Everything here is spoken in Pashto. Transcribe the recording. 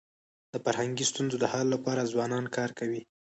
د فرهنګي ستونزو د حل لپاره ځوانان کار کوي.